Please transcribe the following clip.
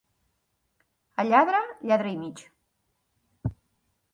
A lladre, lladre i mig.